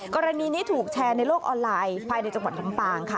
กรณีนี้ถูกแชร์ในโลกออนไลน์ภายในจังหวัดลำปางค่ะ